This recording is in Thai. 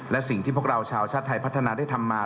และสิ่งที่พวกเราชาวชาติไทยพัฒนาได้ทำมา